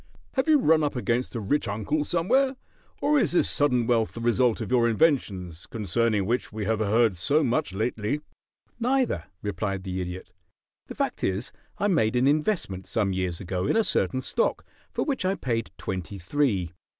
"Have you run up against a rich uncle somewhere, or is this sudden wealth the result of your inventions, concerning which we have heard so much lately?" "Neither," replied the Idiot. "The fact is, I made an investment some years ago in a certain stock, for which I paid twenty three.